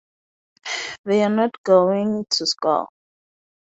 They're not going to score!